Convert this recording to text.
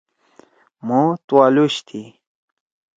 مھو تُوالوش تھی۔